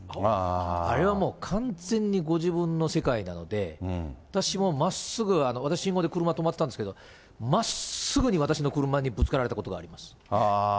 あれはもう、完全にご自分の世界なので、私もまっすぐ、私も信号で車、止まってたんですけど、まっすぐに私の車にぶつかられたことがあります。